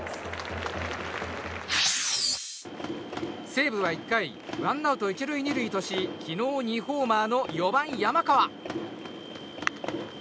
西武は１回ワンアウト１塁２塁とし昨日２ホーマーの４番、山川。